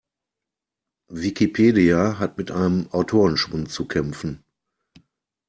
Wikipedia hat mit einem Autorenschwund zu kämpfen.